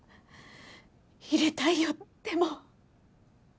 入れたいよでも。